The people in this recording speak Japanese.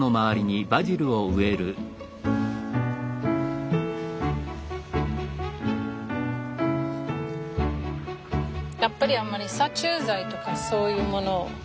やっぱりあんまり殺虫剤とかそういうものを使いたくないしね。